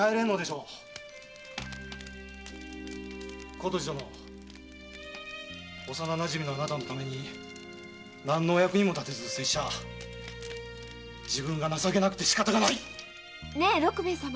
琴路殿幼なじみのあなたのために何の役にも立てず拙者自分が情けなくて仕方がない！ねえ六兵衛様。